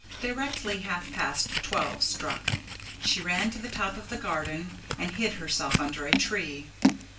Directly half past twelve struck, she ran to the top of the garden and hid herself under a tree.